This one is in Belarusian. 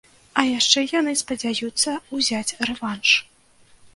А яшчэ яны спадзяюцца ўзяць рэванш.